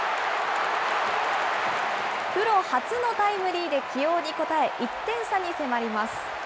プロ初のタイムリーで起用に応え、１点差に迫ります。